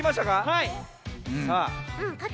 はい。